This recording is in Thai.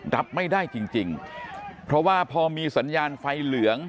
รับไม่ได้จริงจริงเพราะว่าพอมีสัญญาณไฟเหลือง